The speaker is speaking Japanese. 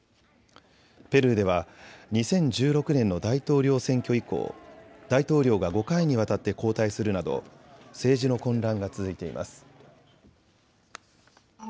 ペルーでは２０１６年の大統領選挙以降、大統領が５回にわたって交代するなど政治の混乱が続いています。